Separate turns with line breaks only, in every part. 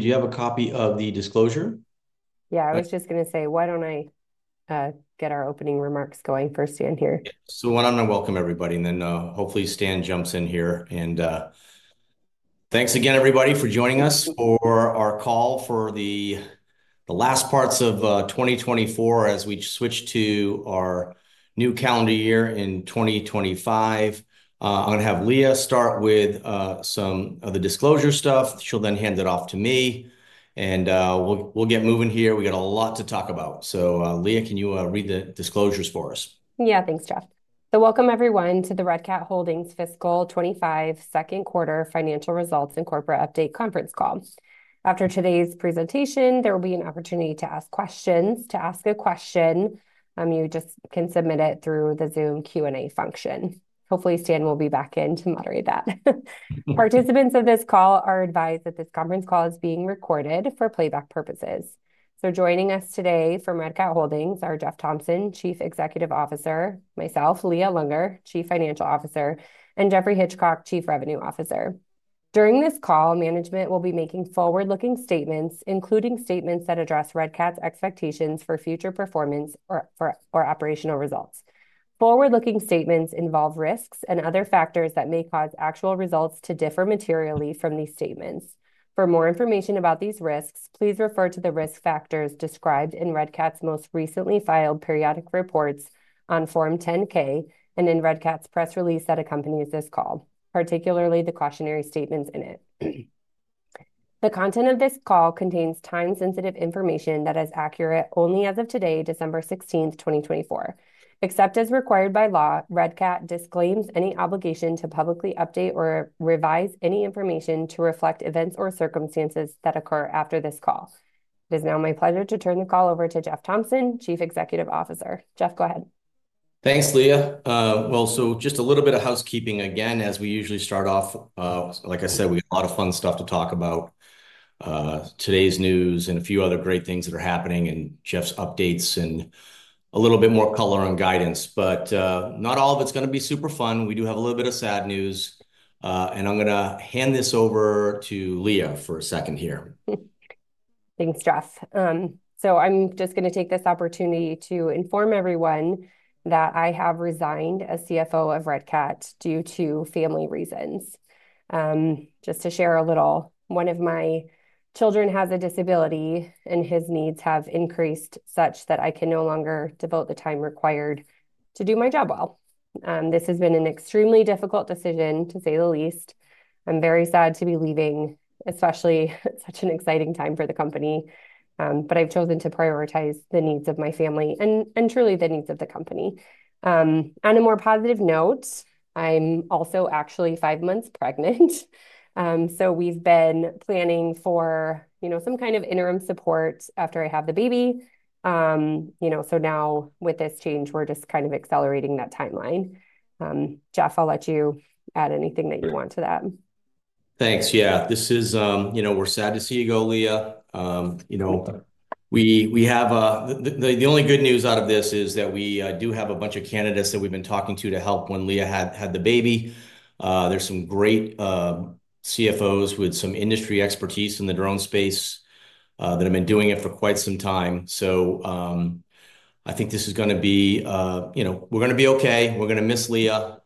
Do you have a copy of the disclosure?
Yeah, I was just going to say, why don't I get our opening remarks going for Stan here?
So why don't I welcome everybody, and then hopefully Stan jumps in here and thanks again, everybody, for joining us for our call for the last parts of 2024 as we switch to our new calendar year in 2025. I'm going to have Leah start with some of the disclosure stuff. She'll then hand it off to me, and we'll get moving here. We got a lot to talk about, so Leah, can you read the disclosures for us?
Yeah, thanks, Jeff. So welcome, everyone, to the Red Cat Holdings Fiscal 2025 Second Quarter Financial Results and Corporate Update Conference Call. After today's presentation, there will be an opportunity to ask questions, to ask a question. You just can submit it through the Zoom Q&A function. Hopefully, Stan will be back in to moderate that. Participants of this call are advised that this conference call is being recorded for playback purposes. So joining us today from Red Cat Holdings are Jeff Thompson, Chief Executive Officer, myself, Leah Lunger, Chief Financial Officer, and Jeffrey Hitchcock, Chief Revenue Officer. During this call, management will be making forward-looking statements, including statements that address Red Cat's expectations for future performance or operational results. Forward-looking statements involve risks and other factors that may cause actual results to differ materially from these statements. For more information about these risks, please refer to the risk factors described in Red Cat's most recently filed periodic reports on Form 10-K and in Red Cat's press release that accompanies this call, particularly the cautionary statements in it. The content of this call contains time-sensitive information that is accurate only as of today, December 16th, 2024. Except as required by law, Red Cat disclaims any obligation to publicly update or revise any information to reflect events or circumstances that occur after this call. It is now my pleasure to turn the call over to Jeff Thompson, Chief Executive Officer. Jeff, go ahead.
Thanks, Leah. Well, so just a little bit of housekeeping again, as we usually start off. Like I said, we have a lot of fun stuff to talk about, today's news and a few other great things that are happening and Jeff's updates and a little bit more color on guidance. But not all of it's going to be super fun. We do have a little bit of sad news. And I'm going to hand this over to Leah for a second here.
Thanks, Jeff. So I'm just going to take this opportunity to inform everyone that I have resigned as CFO of Red Cat due to family reasons. Just to share a little, one of my children has a disability, and his needs have increased such that I can no longer devote the time required to do my job well. This has been an extremely difficult decision, to say the least. I'm very sad to be leaving, especially such an exciting time for the company. But I've chosen to prioritize the needs of my family and truly the needs of the company. On a more positive note, I'm also actually five months pregnant. So we've been planning for some kind of interim support after I have the baby. So now with this change, we're just kind of accelerating that timeline. Jeff, I'll let you add anything that you want to that.
Thanks. Yeah, we're sad to see you go, Leah. The only good news out of this is that we do have a bunch of candidates that we've been talking to, to help when Leah has the baby. There are some great CFOs with some industry expertise in the drone space that have been doing it for quite some time. So I think we're going to be okay. We're going to miss Leah.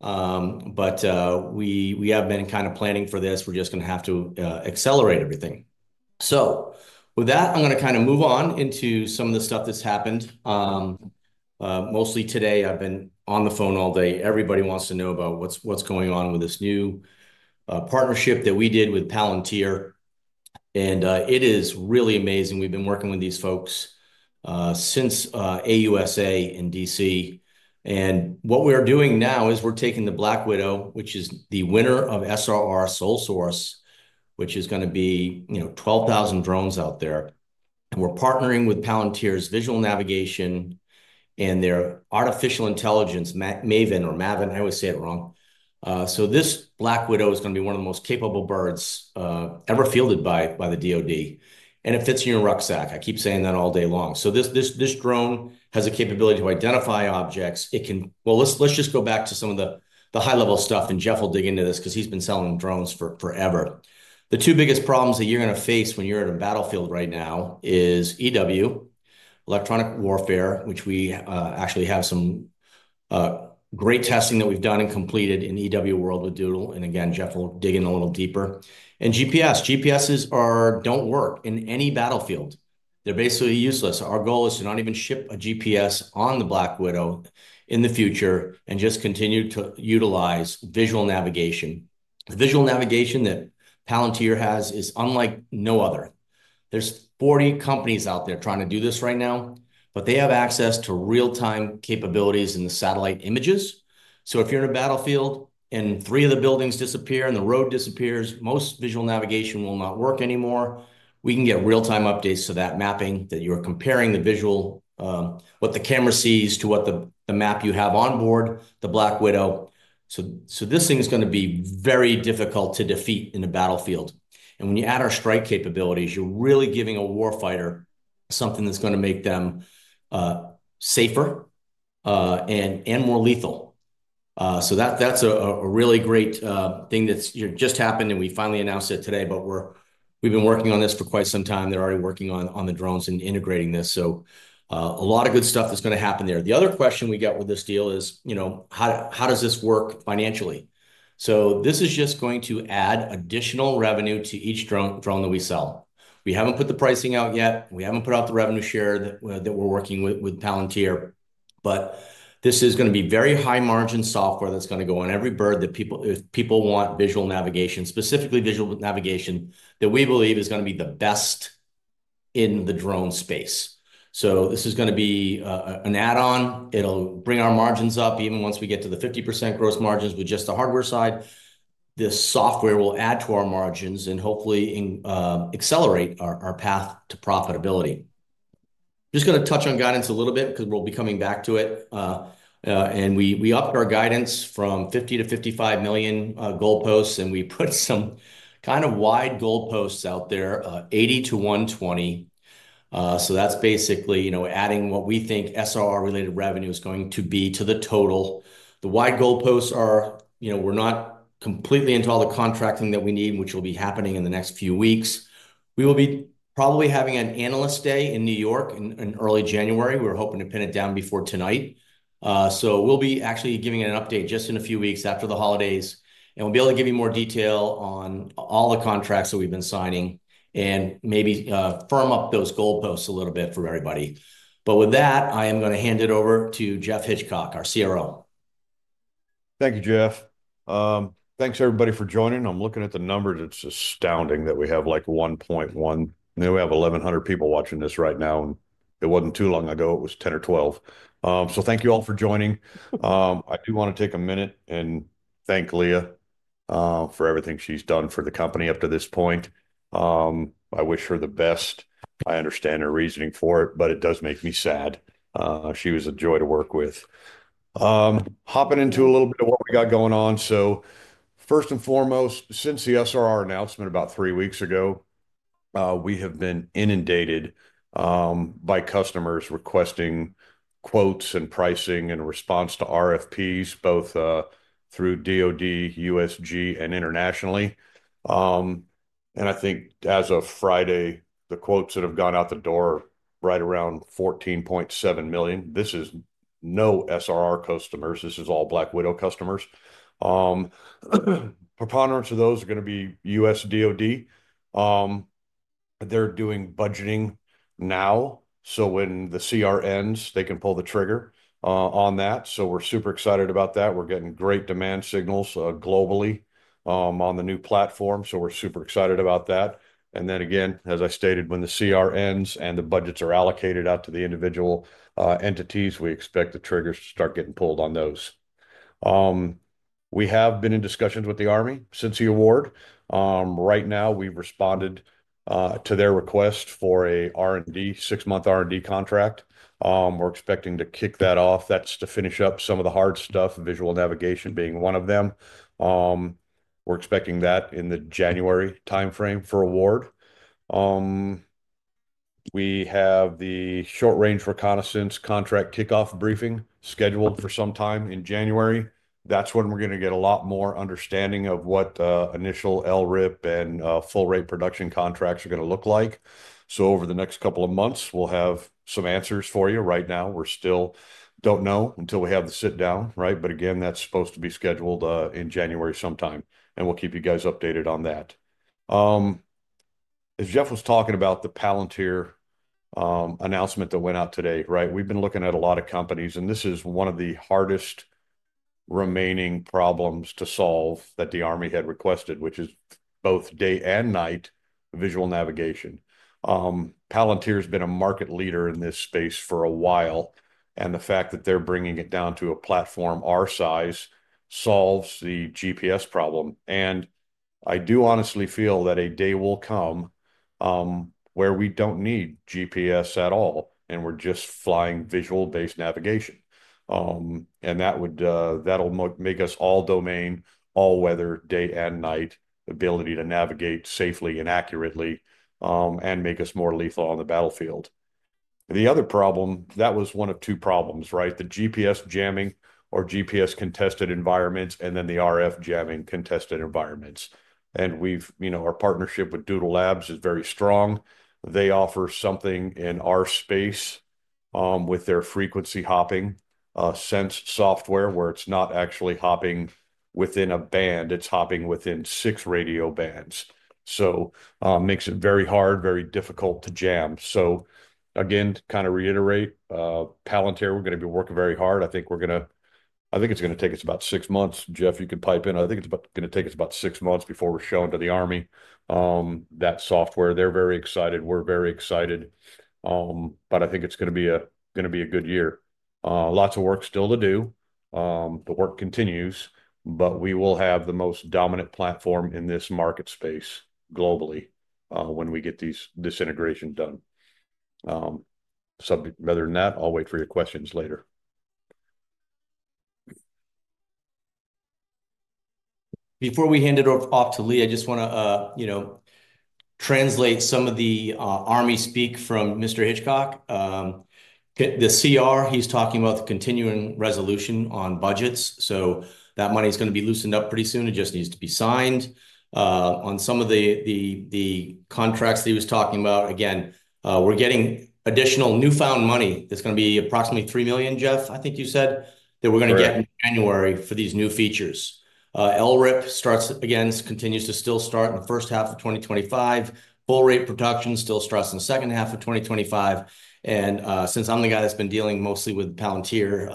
But we have been kind of planning for this. We're just going to have to accelerate everything. So with that, I'm going to kind of move on into some of the stuff that's happened. Mostly today, I've been on the phone all day. Everybody wants to know about what's going on with this new partnership that we did with Palantir. And it is really amazing. We've been working with these folks since AUSA in DC, and what we are doing now is we're taking the Black Widow, which is the winner of SRR Sole Source, which is going to be 12,000 drones out there, and we're partnering with Palantir's visual navigation and their artificial intelligence, Maven. I always say it wrong, so this Black Widow is going to be one of the most capable birds ever fielded by the DoD, and it fits in your rucksack. I keep saying that all day long, so this drone has the capability to identify objects, well, let's just go back to some of the high-level stuff, and Jeff will dig into this because he's been selling drones forever. The two biggest problems that you're going to face when you're at a battlefield right now is EW, electronic warfare, which we actually have some great testing that we've done and completed in EW world with Doodle. Again, Jeff will dig in a little deeper. And GPS. GPSs don't work in any battlefield. They're basically useless. Our goal is to not even ship a GPS on the Black Widow in the future and just continue to utilize visual navigation. The visual navigation that Palantir has is unlike no other. There's 40 companies out there trying to do this right now, but they have access to real-time capabilities in the satellite images. So if you're in a battlefield and three of the buildings disappear and the road disappears, most visual navigation will not work anymore. We can get real-time updates to that mapping that you're comparing the visual, what the camera sees to what the map you have on board, the Black Widow. So this thing is going to be very difficult to defeat in a battlefield. And when you add our strike capabilities, you're really giving a warfighter something that's going to make them safer and more lethal. So that's a really great thing that just happened. And we finally announced it today, but we've been working on this for quite some time. They're already working on the drones and integrating this. So a lot of good stuff that's going to happen there. The other question we get with this deal is, how does this work financially? So this is just going to add additional revenue to each drone that we sell. We haven't put the pricing out yet. We haven't put out the revenue share that we're working with Palantir. But this is going to be very high-margin software that's going to go on every bird that people want visual navigation, specifically visual navigation, that we believe is going to be the best in the drone space. So this is going to be an add-on. It'll bring our margins up even once we get to the 50% gross margins with just the hardware side. This software will add to our margins and hopefully accelerate our path to profitability. Just going to touch on guidance a little bit because we'll be coming back to it. And we upped our guidance from $50 million to $55 million goalposts, and we put some kind of wide goalposts out there, $80 million to $120 million. So that's basically adding what we think SRR-related revenue is going to be to the total. The wide goalposts are we're not completely into all the contracting that we need, which will be happening in the next few weeks. We will be probably having an analyst day in New York in early January. We're hoping to pin it down before tonight. So we'll be actually giving an update just in a few weeks after the holidays. And we'll be able to give you more detail on all the contracts that we've been signing and maybe firm up those goalposts a little bit for everybody. But with that, I am going to hand it over to Jeff Hitchcock, our CRO.
Thank you, Jeff. Thanks, everybody, for joining. I'm looking at the numbers. It's astounding that we have like 1,100. I know we have 1,100 people watching this right now and it wasn't too long ago. It was 10 or 12. So thank you all for joining. I do want to take a minute and thank Leah for everything she's done for the company up to this point. I wish her the best. I understand her reasoning for it, but it does make me sad. She was a joy to work with. Hopping into a little bit of what we got going on. So first and foremost, since the SRR announcement about three weeks ago, we have been inundated by customers requesting quotes and pricing in response to RFPs, both through DoD, USG, and internationally. And I think as of Friday, the quotes that have gone out the door are right around $14.7 million. This is non-SRR customers. This is all Black Widow customers. The preponderance of those are going to be U.S. DoD. They're doing budgeting now. So when the CR ends, they can pull the trigger on that. So we're super excited about that. We're getting great demand signals globally on the new platform. So we're super excited about that. And then again, as I stated, when the CR ends and the budgets are allocated out to the individual entities, we expect the triggers to start getting pulled on those. We have been in discussions with the Army since the award. Right now, we've responded to their request for a six-month R&D contract. We're expecting to kick that off. That's to finish up some of the hard stuff, visual navigation being one of them. We're expecting that in the January timeframe for award. We have the short-range reconnaissance contract kickoff briefing scheduled for some time in January. That's when we're going to get a lot more understanding of what initial LRIP and full-rate production contracts are going to look like. So over the next couple of months, we'll have some answers for you. Right now, we still don't know until we have the sit-down, right? But again, that's supposed to be scheduled in January sometime. And we'll keep you guys updated on that. As Jeff was talking about the Palantir announcement that went out today, right? We've been looking at a lot of companies. And this is one of the hardest remaining problems to solve that the Army had requested, which is both day and night visual navigation. Palantir has been a market leader in this space for a while. And the fact that they're bringing it down to a platform our size solves the GPS problem. And I do honestly feel that a day will come where we don't need GPS at all, and we're just flying visual-based navigation. And that'll make us all-domain, all-weather, day and night ability to navigate safely and accurately and make us more lethal on the battlefield. The other problem, that was one of two problems, right? The GPS jamming or GPS contested environments and then the RF jamming contested environments. And our partnership with Doodle Labs is very strong. They offer something in our space with their frequency hopping mesh software where it's not actually hopping within a band. It's hopping within six radio bands. So it makes it very hard, very difficult to jam. So again, kind of reiterate, Palantir, we're going to be working very hard. I think it's going to take us about six months. Jeff, you can pipe in. I think it's going to take us about six months before we're shown to the Army that software. They're very excited. We're very excited. But I think it's going to be a good year. Lots of work still to do. The work continues, but we will have the most dominant platform in this market space globally when we get this integration done. Other than that, I'll wait for your questions later.
Before we hand it off to Leah, I just want to translate some of the Army speak from Mr. Hitchcock. The CR, he's talking about the continuing resolution on budgets. So that money is going to be loosened up pretty soon. It just needs to be signed on some of the contracts that he was talking about. Again, we're getting additional newfound money. That's going to be approximately $3 million, Jeff, I think you said, that we're going to get in January for these new features. LRIP starts again, continues to still start in the first half of 2025. Full-rate production still starts in the second half of 2025, and since I'm the guy that's been dealing mostly with Palantir,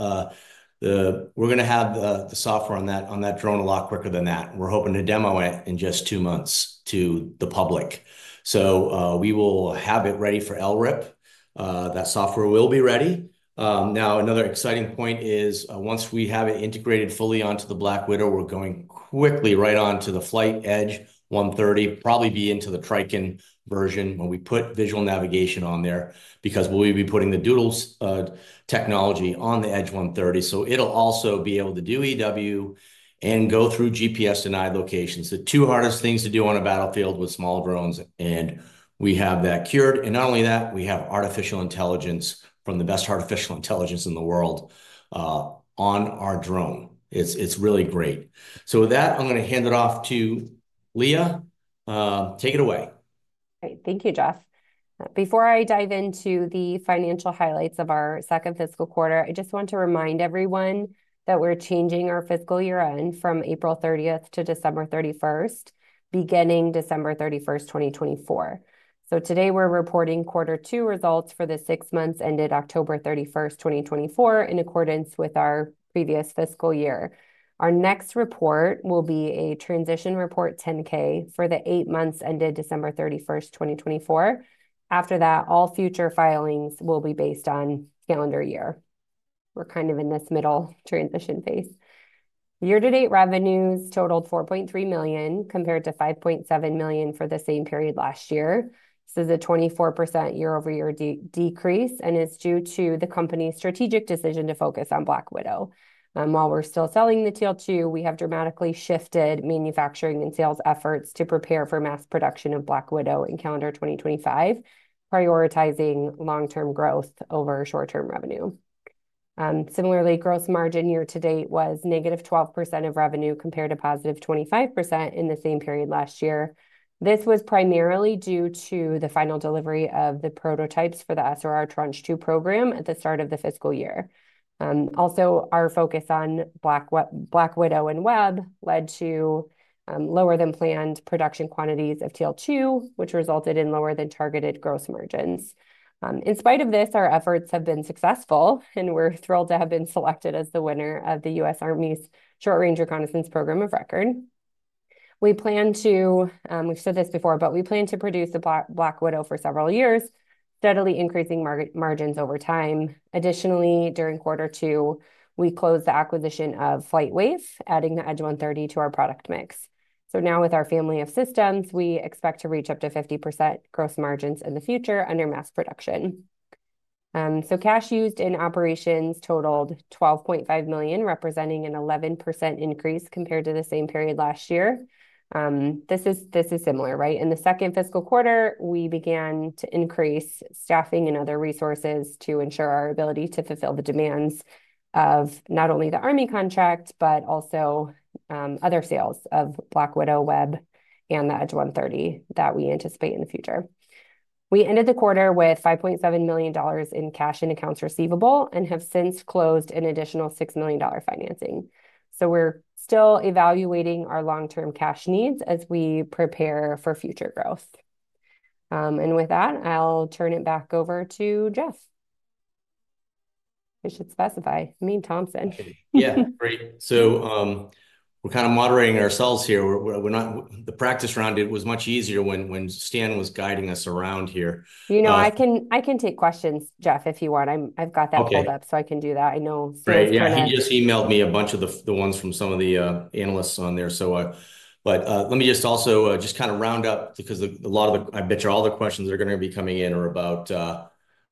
we're going to have the software on that drone a lot quicker than that. We're hoping to demo it in just two months to the public. So we will have it ready for LRIP. That software will be ready. Now, another exciting point is once we have it integrated fully onto the Black Widow, we're going quickly right onto the FlightWave Edge 130, probably be into the Triton version when we put visual navigation on there because we'll be putting the Doodle Labs' technology on the Edge 130. So it'll also be able to do EW and go through GPS denied locations. The two hardest things to do on a battlefield with small drones. And we have that cured. And not only that, we have artificial intelligence from the best artificial intelligence in the world on our drone. It's really great. So with that, I'm going to hand it off to Leah. Take it away.
Great. Thank you, Jeff. Before I dive into the financial highlights of our second fiscal quarter, I just want to remind everyone that we're changing our fiscal year-end from April 30th to December 31st, beginning December 31st, 2024. So today, we're reporting quarter two results for the six months ended October 31st, 2024, in accordance with our previous fiscal year. Our next report will be a transition report 10-K for the eight months ended December 31st, 2024. After that, all future filings will be based on calendar year. We're kind of in this middle transition phase. Year-to-date revenues totaled $4.3 million compared to $5.7 million for the same period last year. This is a 24% year-over-year decrease and is due to the company's strategic decision to focus on Black Widow. While we're still selling the TL-2, we have dramatically shifted manufacturing and sales efforts to prepare for mass production of Black Widow in calendar 2025, prioritizing long-term growth over short-term revenue. Similarly, gross margin year-to-date was negative 12% of revenue compared to positive 25% in the same period last year. This was primarily due to the final delivery of the prototypes for the SRR Tranche 2 program at the start of the fiscal year. Also, our focus on Black Widow and Web led to lower-than-planned production quantities of TL-2, which resulted in lower-than-targeted gross margins. In spite of this, our efforts have been successful, and we're thrilled to have been selected as the winner of the U.S. Army's short-range reconnaissance program of record. We plan to. We've said this before, but we plan to produce a Black Widow for several years, steadily increasing margins over time. Additionally, during quarter two, we closed the acquisition of FlightWave, adding the Edge 130 to our product mix. Now, with our family of systems, we expect to reach up to 50% gross margins in the future under mass production. Cash used in operations totaled $12.5 million, representing an 11% increase compared to the same period last year. This is similar, right? In the second fiscal quarter, we began to increase staffing and other resources to ensure our ability to fulfill the demands of not only the Army contract, but also other sales of Black Widow, Web, and the Edge 130 that we anticipate in the future. We ended the quarter with $5.7 million in cash and accounts receivable and have since closed an additional $6 million financing. We're still evaluating our long-term cash needs as we prepare for future growth. And with that, I'll turn it back over to Jeff Thompson.
Yeah, great. So we're kind of moderating ourselves here. The practice around it was much easier when Stan was guiding us around here.
You know, I can take questions, Jeff, if you want. I've got that pulled up, so I can do that. I know.
Right. Yeah. He just emailed me a bunch of the ones from some of the analysts on there. But let me just also just kind of round up because a lot of the—I bet you all the questions that are going to be coming in are about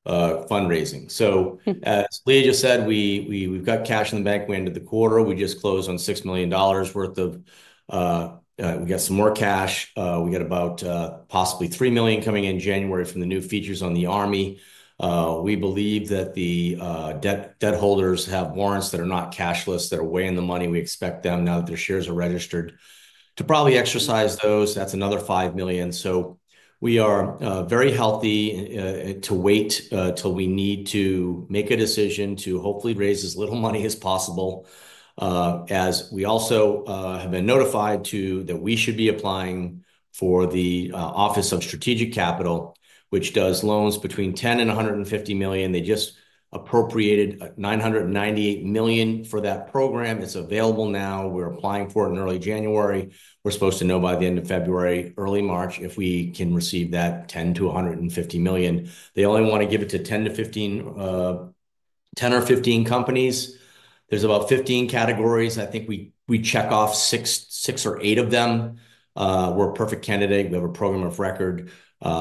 fundraising. So as Leah just said, we've got cash in the bank. We ended the quarter. We just closed on $6 million worth of—we got some more cash. We got about possibly $3 million coming in January from the new features on the Army. We believe that the debt holders have warrants that are not cashless, that are weighing the money. We expect them, now that their shares are registered, to probably exercise those. That's another $5 million. So we are very healthy to wait till we need to make a decision to hopefully raise as little money as possible. As we also have been notified that we should be applying for the Office of Strategic Capital, which does loans between $10 million and $150 million. They just appropriated $998 million for that program. It's available now. We're applying for it in early January. We're supposed to know by the end of February, early March, if we can receive that $10 million to $150 million. They only want to give it to 10 or 15 companies. There's about 15 categories. I think we check off six or eight of them. We're a perfect candidate. We have a program of record.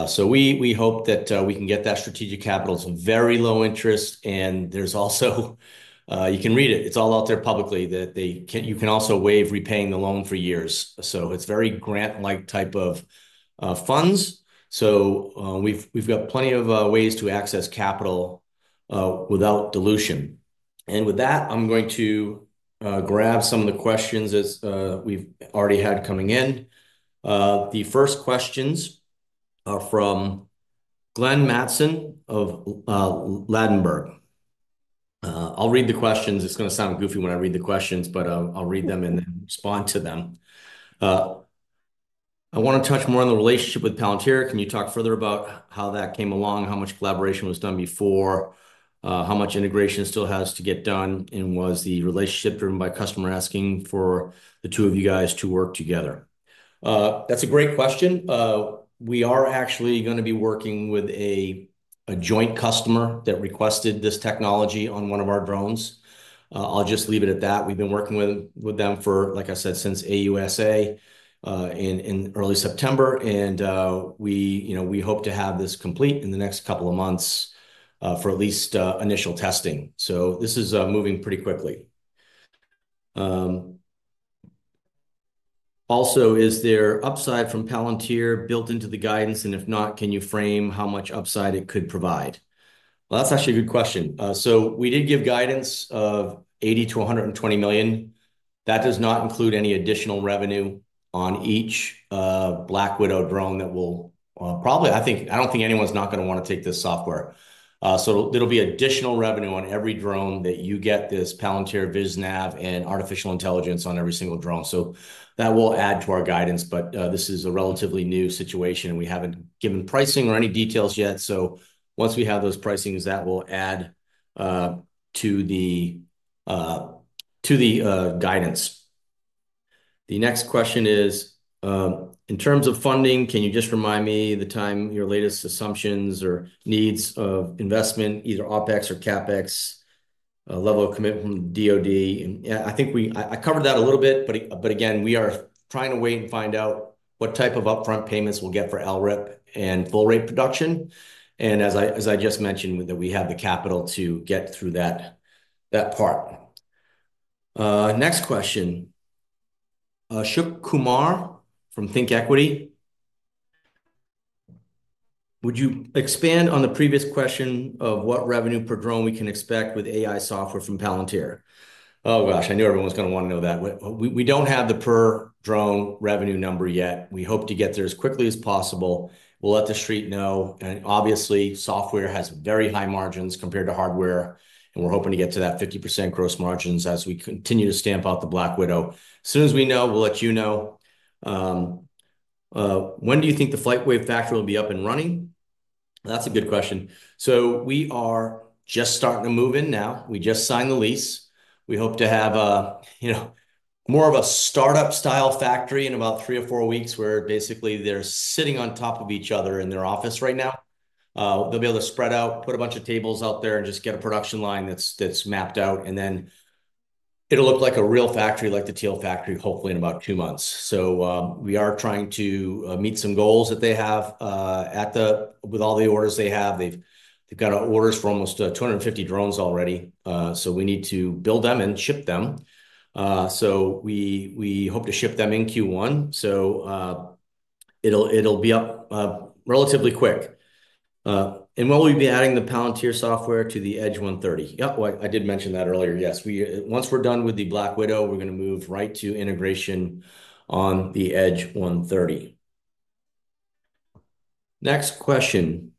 So we hope that we can get that strategic capital. It's very low interest. And there's also—you can read it. It's all out there publicly that you can also waive repaying the loan for years. So it's very grant-like type of funds. We've got plenty of ways to access capital without dilution. And with that, I'm going to grab some of the questions as we've already had coming in. The first questions are from Glenn Matson of Ladenburg Thalmann. I'll read the questions. It's going to sound goofy when I read the questions, but I'll read them and then respond to them. I want to touch more on the relationship with Palantir. Can you talk further about how that came along, how much collaboration was done before, how much integration still has to get done, and was the relationship driven by customer asking for the two of you guys to work together? That's a great question. We are actually going to be working with a joint customer that requested this technology on one of our drones. I'll just leave it at that. We've been working with them for, like I said, since AUSA in early September, and we hope to have this complete in the next couple of months for at least initial testing, so this is moving pretty quickly. Also, is there upside from Palantir built into the guidance? And if not, can you frame how much upside it could provide? Well, that's actually a good question, so we did give guidance of $80 million to $120 million. That does not include any additional revenue on each Black Widow drone that will probably—I don't think anyone's not going to want to take this software. So there'll be additional revenue on every drone that you get this Palantir VizNav and artificial intelligence on every single drone. So that will add to our guidance, but this is a relatively new situation, and we haven't given pricing or any details yet. So once we have those pricings, that will add to the guidance. The next question is, in terms of funding, can you just remind me the time your latest assumptions or needs of investment, either OpEx or CapEx, level of commitment from DoD? I think I covered that a little bit, but again, we are trying to wait and find out what type of upfront payments we'll get for LRIP and full-rate production. And as I just mentioned, that we have the capital to get through that part. Next question. Ashok Kumar from ThinkEquity. Would you expand on the previous question of what revenue per drone we can expect with AI software from Palantir? Oh, gosh, I knew everyone was going to want to know that. We don't have the per drone revenue number yet. We hope to get there as quickly as possible. We'll let the street know. Obviously, software has very high margins compared to hardware. We're hoping to get to that 50% gross margins as we continue to stamp out the Black Widow. As soon as we know, we'll let you know. When do you think the FlightWave factory will be up and running? That's a good question. We are just starting to move in now. We just signed the lease. We hope to have more of a startup-style factory in about three or four weeks where basically they're sitting on top of each other in their office right now. They'll be able to spread out, put a bunch of tables out there, and just get a production line that's mapped out. Then it'll look like a real factory like the Teal factory, hopefully in about two months. So we are trying to meet some goals that they have with all the orders they have. They've got orders for almost 250 drones already. So we need to build them and ship them. So we hope to ship them in Q1. So it'll be up relatively quick. And will we be adding the Palantir software to the Edge 130? Yeah, I did mention that earlier. Yes. Once we're done with the Black Widow, we're going to move right to integration on the Edge 130. Next question.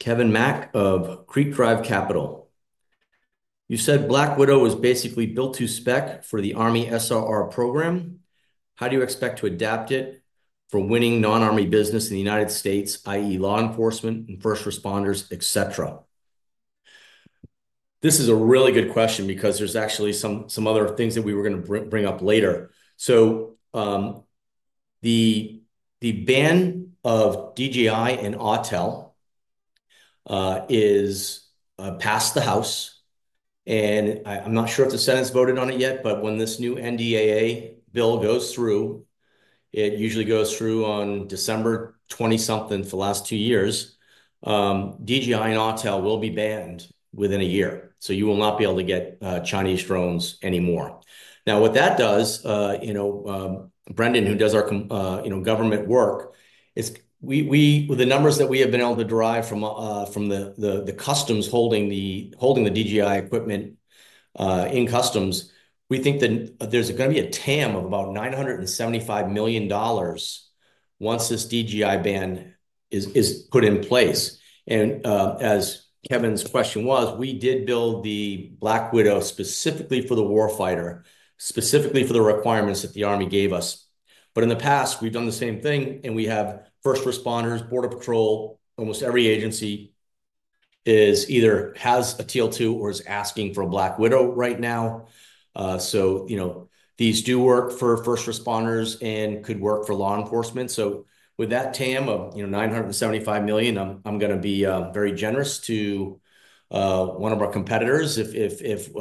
Kevin Mack of Creek Drive Capital. You said Black Widow was basically built to spec for the Army SRR program. How do you expect to adapt it for winning non-Army business in the United States, i.e., law enforcement and first responders, etc.? This is a really good question because there's actually some other things that we were going to bring up later. So the ban of DJI and Autel is past the House. And I'm not sure if the Senate's voted on it yet, but when this new NDAA bill goes through, it usually goes through on December 20-something for the last two years, DJI and Autel will be banned within a year. So you will not be able to get Chinese drones anymore. Now, what that does, Brendan, who does our government work, with the numbers that we have been able to derive from the customs holding the DJI equipment in customs, we think that there's going to be a TAM of about $975 million once this DJI ban is put in place. And as Kevin's question was, we did build the Black Widow specifically for the war fighter, specifically for the requirements that the Army gave us. But in the past, we've done the same thing, and we have first responders, border patrol, almost every agency either has a TL-2 or is asking for a Black Widow right now. So these do work for first responders and could work for law enforcement. So with that TAM of $975 million, I'm going to be very generous to one of our competitors. If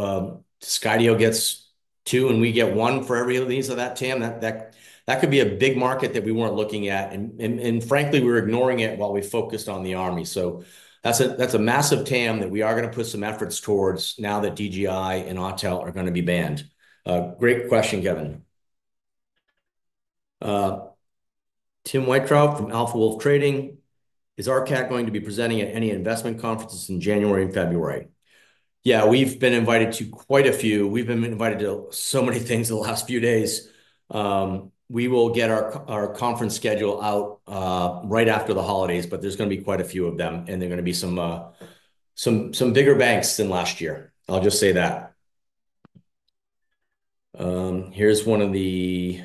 Skydio gets two and we get one for every of that TAM, that could be a big market that we weren't looking at. And frankly, we were ignoring it while we focused on the Army. So that's a massive TAM that we are going to put some efforts towards now that DJI and Autel are going to be banned. Great question, Kevin. Tim Whitecroft from Alpha Wolf Trading. Is RCAT going to be presenting at any investment conferences in January and February? Yeah, we've been invited to quite a few. We've been invited to so many things the last few days. We will get our conference schedule out right after the holidays, but there's going to be quite a few of them, and there are going to be some bigger banks than last year. I'll just say that. Here's one of the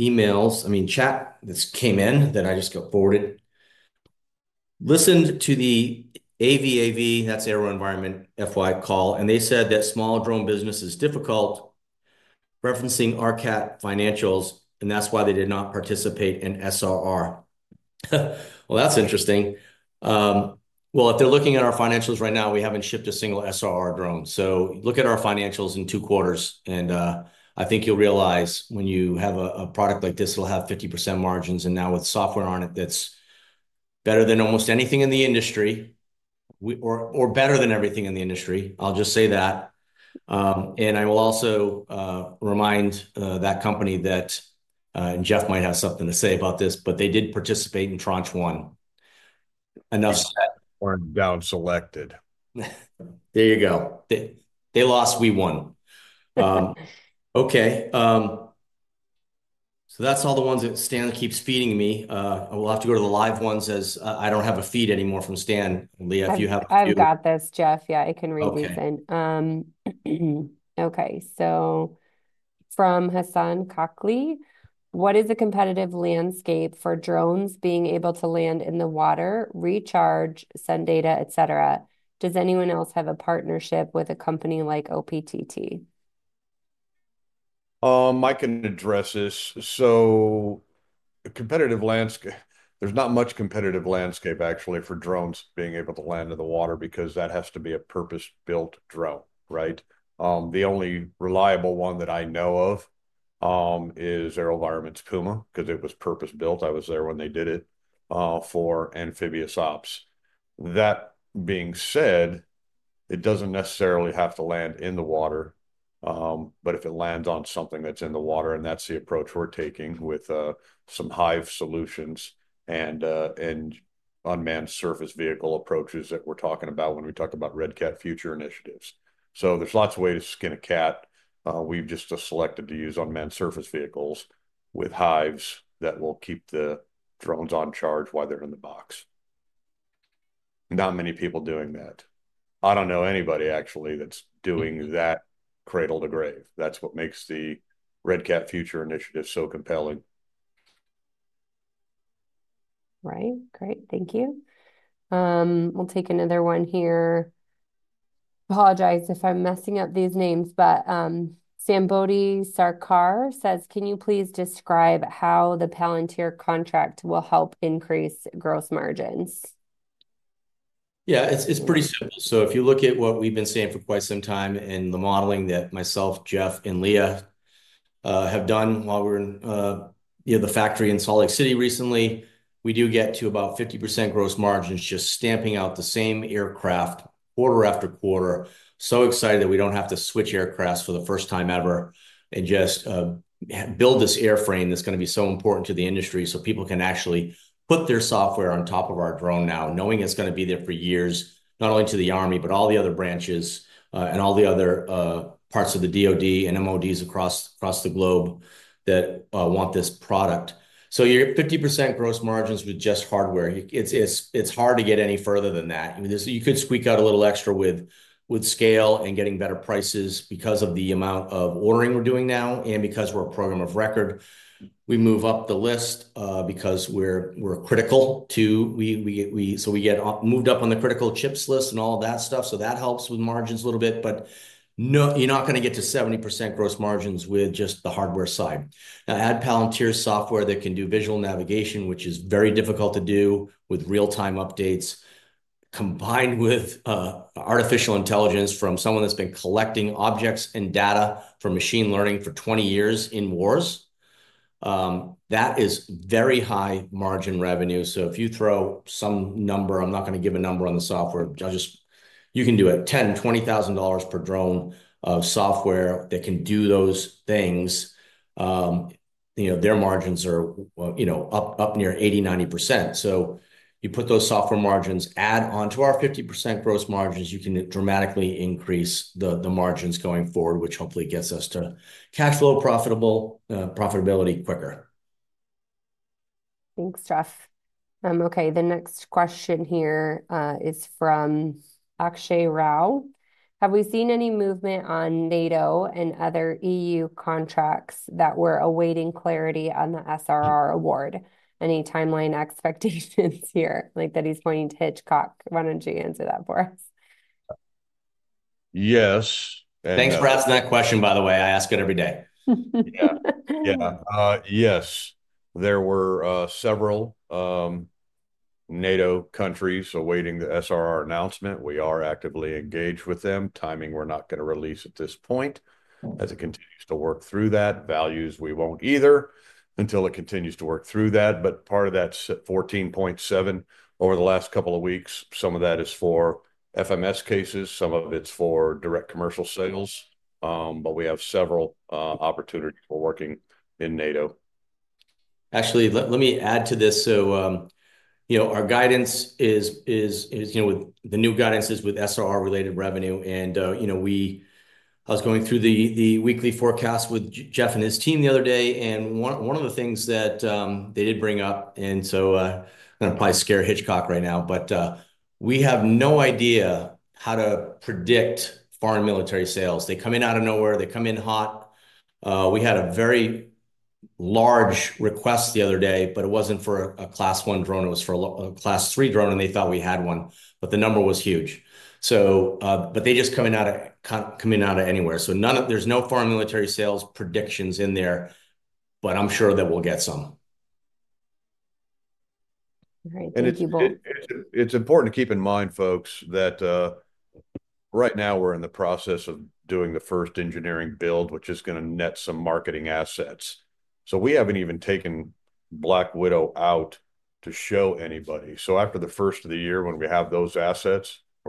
emails. I mean, chat that came in that I just got forwarded. Listened to the AVAV, that's AeroVironment FY call, and they said that small drone business is difficult, referencing RCAT financials, and that's why they did not participate in SRR. Well, that's interesting. Well, if they're looking at our financials right now, we haven't shipped a single SRR drone. So look at our financials in two quarters, and I think you'll realize when you have a product like this, it'll have 50% margins. Now with software on it that's better than almost anything in the industry, or better than everything in the industry, I'll just say that. I will also remind that company that, and Jeff might have something to say about this, but they did participate in Tranche One. Enough said.
Or down selected.
There you go. They lost, we won. Okay. So that's all the ones that Stan keeps feeding me. I will have to go to the live ones as I don't have a feed anymore from Stan. Leah, if you have a feed?
I've got this, Jeff. Yeah, I can read these in. Okay. So from Hassan Kokhli, what is the competitive landscape for drones being able to land in the water, recharge, send data, etc.? Does anyone else have a partnership with a company like OPTT?
I can address this. So there's not much competitive landscape, actually, for drones being able to land in the water because that has to be a purpose-built drone, right? The only reliable one that I know of is AeroVironment's Puma because it was purpose-built. I was there when they did it for amphibious ops. That being said, it doesn't necessarily have to land in the water, but if it lands on something that's in the water, and that's the approach we're taking with some HIVE solutions and unmanned surface vehicle approaches that we're talking about when we talk about Red Cat Future initiatives. So there's lots of ways to skin a cat. We've just selected to use unmanned surface vehicles with HIVEs that will keep the drones on charge while they're in the box. Not many people doing that. I don't know anybody, actually, that's doing that cradle to grave. That's what makes the Red Cat Future initiative so compelling.
Right. Great. Thank you. We'll take another one here. I apologize if I'm messing up these names, but Sambuddha Sarkar says, "Can you please describe how the Palantir contract will help increase gross margins?
Yeah, it's pretty simple. So if you look at what we've been seeing for quite some time in the modeling that myself, Jeff, and Leah have done while we were in the factory in Salt Lake City recently, we do get to about 50% gross margins just stamping out the same aircraft quarter after quarter. So excited that we don't have to switch aircrafts for the first time ever and just build this airframe that's going to be so important to the industry so people can actually put their software on top of our drone now, knowing it's going to be there for years, not only to the Army, but all the other branches and all the other parts of the DOD and MODs across the globe that want this product. So you're at 50% gross margins with just hardware. It's hard to get any further than that. You could squeak out a little extra with scale and getting better prices because of the amount of ordering we're doing now and because we're a program of record. We move up the list because we're critical too. So we get moved up on the critical chips list and all of that stuff. So that helps with margins a little bit, but you're not going to get to 70% gross margins with just the hardware side. Now, add Palantir software that can do visual navigation, which is very difficult to do with real-time updates, combined with artificial intelligence from someone that's been collecting objects and data from machine learning for 20 years in wars. That is very high margin revenue. So if you throw some number, I'm not going to give a number on the software. You can do it. $10,000 to $20,000 per drone of software that can do those things, their margins are up near 80% to 90%. So you put those software margins, add on to our 50% gross margins, you can dramatically increase the margins going forward, which hopefully gets us to cash flow profitability quicker.
Thanks, Jeff. Okay. The next question here is from Akshay Rao. Have we seen any movement on NATO and other EU contracts that we're awaiting clarity on the SRR award? Any timeline expectations here? Like that he's pointing to Hitchcock. Why don't you answer that for us?
Yes.
Thanks for asking that question, by the way. I ask it every day.
Yeah. Yeah. Yes. There were several NATO countries awaiting the SRR announcement. We are actively engaged with them. Timing, we're not going to release at this point. As it continues to work through that, values, we won't either until it continues to work through that. But part of that $14.7 over the last couple of weeks, some of that is for FMS cases, some of it's for direct commercial sales. But we have several opportunities for working in NATO.
Actually, let me add to this. So our guidance is with the new guidances with SRR-related revenue. I was going through the weekly forecast with Jeff and his team the other day, and one of the things that they did bring up. So I'm going to probably scare Hitchcock right now, but we have no idea how to predict foreign military sales. They come in out of nowhere. They come in hot. We had a very large request the other day, but it wasn't for a Class 1 drone. It was for a Class 3 drone, and they thought we had one. But the number was huge. They just come in out of anywhere. So there's no foreign military sales predictions in there, but I'm sure that we'll get some.
All right. Thank you both.
It's important to keep in mind, folks, that right now we're in the process of doing the first engineering build, which is going to net some marketing assets. So we haven't even taken Black Widow out to show anybody. So after the first of the year, when we have those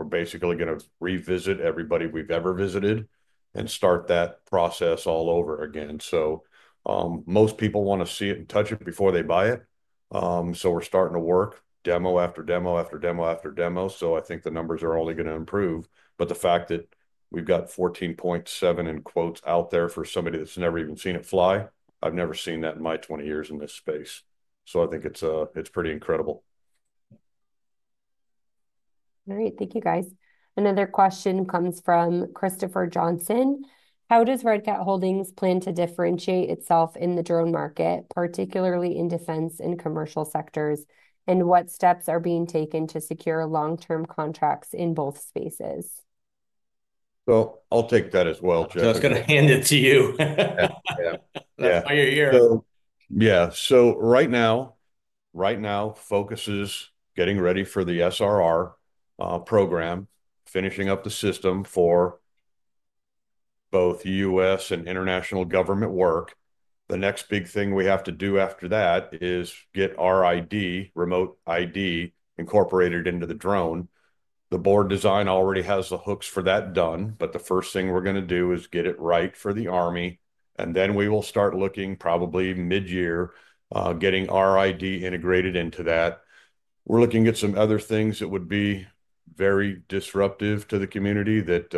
assets, we're basically going to revisit everybody we've ever visited and start that process all over again. So most people want to see it and touch it before they buy it. So we're starting to work demo after demo after demo after demo. So I think the numbers are only going to improve. But the fact that we've got 14.7 in quotes out there for somebody that's never even seen it fly, I've never seen that in my 20 years in this space. So I think it's pretty incredible.
All right. Thank you, guys. Another question comes from Christopher Johnson. How does Red Cat Holdings plan to differentiate itself in the drone market, particularly in defense and commercial sectors, and what steps are being taken to secure long-term contracts in both spaces?
So I'll take that as well, Jeff.
Jeff's going to hand it to you.
Yeah. Yeah. That's why you're here. Yeah. So right now, focus is getting ready for the SRR program, finishing up the system for both U.S. and international government work. The next big thing we have to do after that is get our Remote ID incorporated into the drone. The board design already has the hooks for that done, but the first thing we're going to do is get it right for the Army. And then we will start looking probably mid-year, getting our Remote ID integrated into that. We're looking at some other things that would be very disruptive to the community that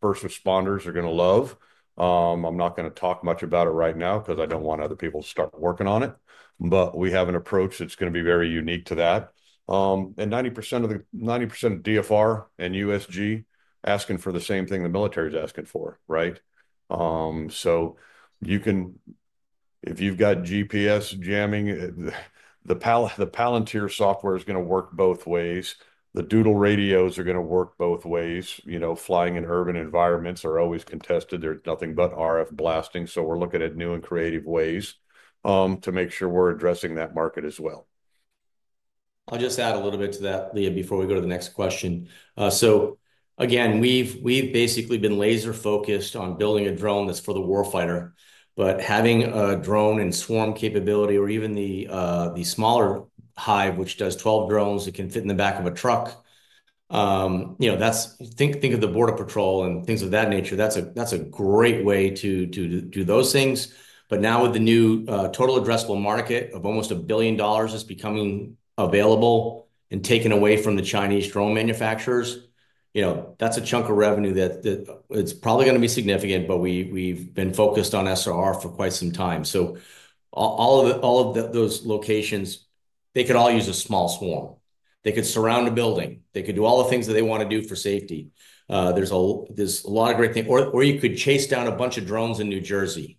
first responders are going to love. I'm not going to talk much about it right now because I don't want other people to start working on it. But we have an approach that's going to be very unique to that. And 90% of DFR and USG asking for the same thing the military is asking for, right? So if you've got GPS jamming, the Palantir software is going to work both ways. The Doodle radios are going to work both ways. Flying in urban environments are always contested. There's nothing but RF blasting. So we're looking at new and creative ways to make sure we're addressing that market as well.
I'll just add a little bit to that, Leah, before we go to the next question. So again, we've basically been laser-focused on building a drone that's for the war fighter. But having a drone and swarm capability, or even the smaller HIVE, which does 12 drones that can fit in the back of a truck, think of the Border Patrol and things of that nature. That's a great way to do those things. But now with the new total addressable market of almost $1 billion that's becoming available and taken away from the Chinese drone manufacturers, that's a chunk of revenue that it's probably going to be significant, but we've been focused on SRR for quite some time. So all of those locations, they could all use a small swarm. They could surround a building. They could do all the things that they want to do for safety. There's a lot of great things or you could chase down a bunch of drones in New Jersey.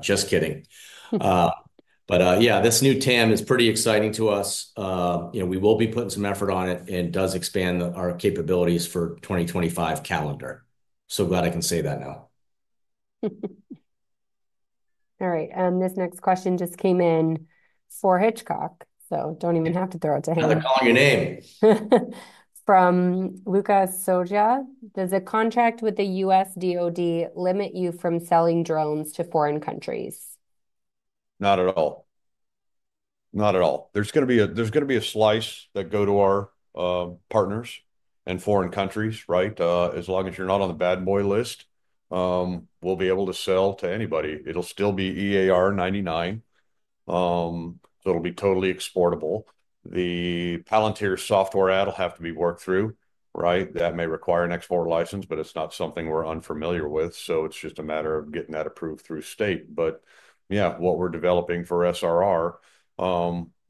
Just kidding, but yeah, this new TAM is pretty exciting to us. We will be putting some effort on it, and it does expand our capabilities for the 2025 calendar, so glad I can say that now.
All right. This next question just came in for Hitchcock, so don't even have to throw it to him.
I'm going to call your name.
From Lucas Soja, does a contract with the U.S. DoD limit you from selling drones to foreign countries?
Not at all. Not at all. There's going to be a slice that go to our partners and foreign countries, right? As long as you're not on the bad boy list, we'll be able to sell to anybody. It'll still be EAR99. So it'll be totally exportable. The Palantir software and will have to be worked through, right? That may require an export license, but it's not something we're unfamiliar with. So it's just a matter of getting that approved through state. But yeah, what we're developing for SRR,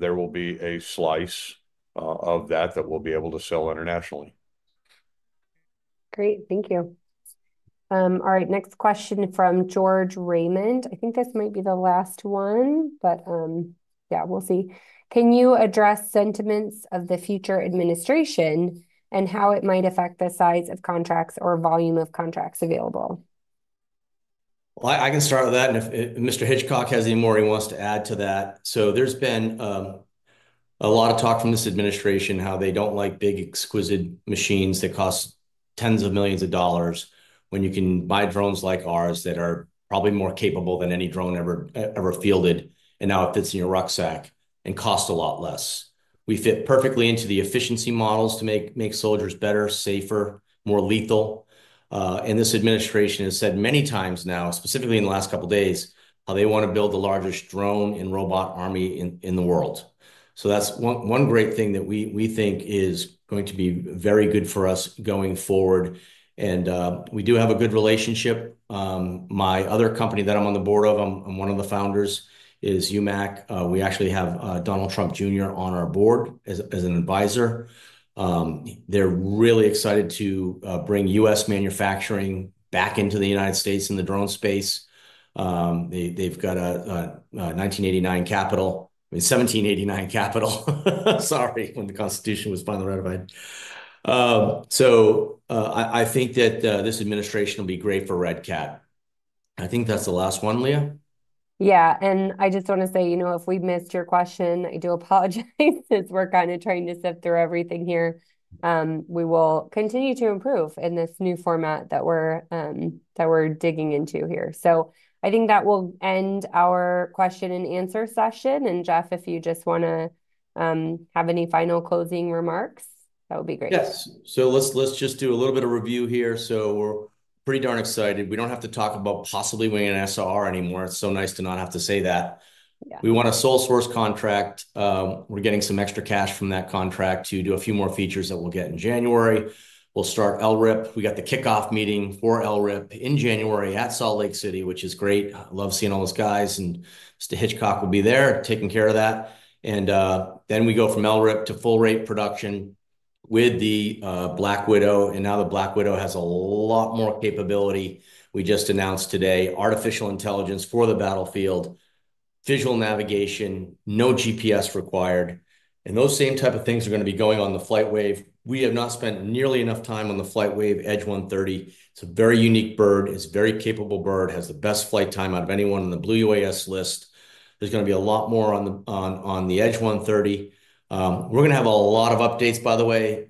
there will be a slice of that that we'll be able to sell internationally.
Great. Thank you. All right. Next question from George Raymond. I think this might be the last one, but yeah, we'll see. Can you address sentiments of the future administration and how it might affect the size of contracts or volume of contracts available?
I can start with that. If Mr. Hitchcock has any more he wants to add to that. There's been a lot of talk from this administration how they don't like big exquisite machines that cost tens of millions of dollars when you can buy drones like ours that are probably more capable than any drone ever fielded, and now it fits in your rucksack and costs a lot less. We fit perfectly into the efficiency models to make soldiers better, safer, more lethal. This administration has said many times now, specifically in the last couple of days, how they want to build the largest drone and robot army in the world. That's one great thing that we think is going to be very good for us going forward. We do have a good relationship. My other company that I'm on the board of, I'm one of the founders, is UMAC. We actually have Donald Trump Jr. on our board as an advisor. They're really excited to bring U.S. manufacturing back into the United States in the drone space. They've got a 1789 Capital. I mean, 1789 Capital. Sorry, when the Constitution was finally ratified. So I think that this administration will be great for Red Cat. I think that's the last one, Leah.
Yeah. And I just want to say, you know if we missed your question, I do apologize. We're kind of trying to sift through everything here. We will continue to improve in this new format that we're digging into here. So I think that will end our question and answer session. And Jeff, if you just want to have any final closing remarks, that would be great.
Yes. So let's just do a little bit of review here. So we're pretty darn excited. We don't have to talk about possibly winning an SRR anymore. It's so nice to not have to say that. We want a sole source contract. We're getting some extra cash from that contract to do a few more features that we'll get in January. We'll start LRIP. We got the kickoff meeting for LRIP in January at Salt Lake City, which is great. I love seeing all those guys, and Mr. Hitchcock will be there taking care of that. Then we go from LRIP to full-rate production with the Black Widow. Now the Black Widow has a lot more capability. We just announced today artificial intelligence for the battlefield, visual navigation, no GPS required. Those same type of things are going to be going on the FlightWave. We have not spent nearly enough time on the FlightWave Edge 130. It's a very unique bird. It's a very capable bird. It has the best flight time out of anyone on the Blue UAS list. There's going to be a lot more on the Edge 130. We're going to have a lot of updates, by the way,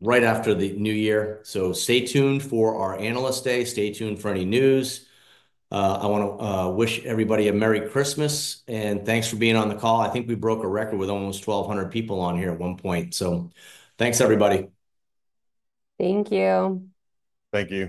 right after the new year, so stay tuned for our analyst day. Stay tuned for any news. I want to wish everybody a Merry Christmas, and thanks for being on the call. I think we broke a record with almost 1,200 people on here at one point, so thanks, everybody.
Thank you.
Thank you.